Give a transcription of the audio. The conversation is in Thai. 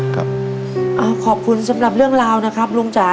ขอบคุณสำหรับเรื่องราวนะครับลุงจ๋า